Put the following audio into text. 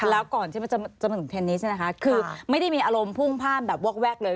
แล้วก่อนที่มันจะมาถึงเทนนิสเนี่ยนะคะคือไม่ได้มีอารมณ์พุ่งพ่านแบบวอกแวกเลย